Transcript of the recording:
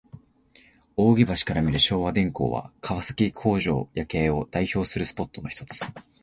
扇橋から見る昭和電工は、川崎工場夜景を代表するスポットのひとつ。